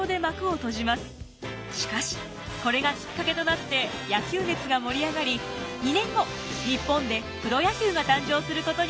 しかしこれがきっかけとなって野球熱が盛り上がり２年後日本でプロ野球が誕生することになるのです。